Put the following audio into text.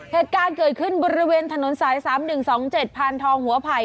เหตุการณ์เกิดขึ้นบริเวณถนนสาย๓๑๒๗พานทองหัวไผ่